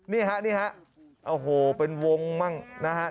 นี่ฮะนี่ฮะโอ้โหเป็นวงมั่งนะฮะ